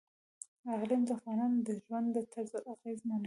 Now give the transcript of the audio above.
اقلیم د افغانانو د ژوند طرز اغېزمنوي.